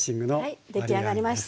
はい出来上がりました。